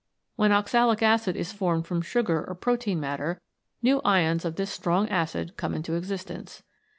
When oxalic acid is formed from sugar or protein matter, new ions of this strong acid come into existence.